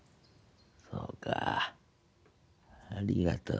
そうかありがとうな。